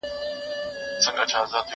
زه به سبا نان وخورم!؟